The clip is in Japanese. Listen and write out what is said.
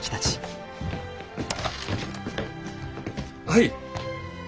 はい。